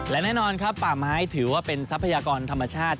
และแน่นอนครับป่าไม้ถือว่าเป็นทรัพยากรธรรมชาติ